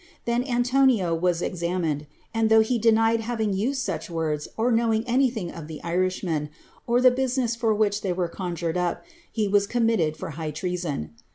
Then Antonio was examined ; and thouirh he denied having used sucfi words, or knowing anything of the Iri:»lunen, or the business for which tiiey were conjured up« he was cooh mitit^d for high tretison.